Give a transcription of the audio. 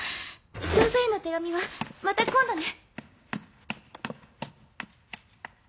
少佐への手紙はまた今度ね。